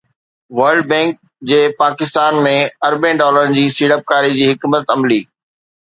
world bank جي پاڪستان ۾ اربين ڊالرن جي سيڙپڪاري جي حڪمت عملي